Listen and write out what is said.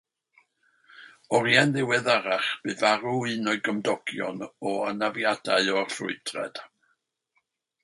Oriau'n ddiweddarach, bu farw un o'i gymdogion o anafiadau o'r ffrwydrad.